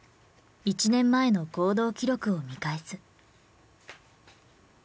１年前の行動記録を見返す。